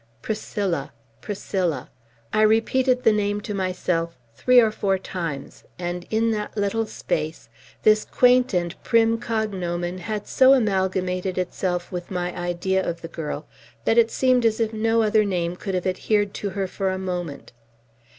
Priscilla! Priscilla! I repeated the name to myself three or four times; and in that little space, this quaint and prim cognomen had so amalgamated itself with my idea of the girl, that it seemed as if no other name could have adhered to her for a moment.